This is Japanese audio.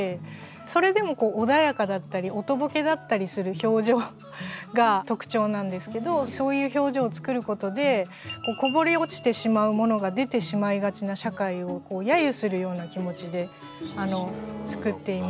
それでも穏やかだったりおとぼけだったりする表情が特徴なんですけどそういう表情を作ることでこぼれ落ちてしまうものが出てしまいがちな社会を揶揄するような気持ちで作っています。